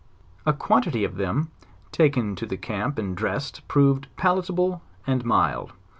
A quantity of them taken to the camp and dressed, proved palitable and mild.